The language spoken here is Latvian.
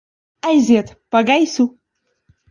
Aiziet pa gaisu!